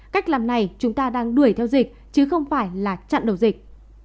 cách làm này chúng ta đang đuổi theo dịch chứ không phải là chặn đầu dịch